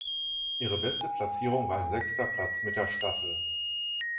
Ihre beste Platzierung war ein sechster Platz mit der Staffel.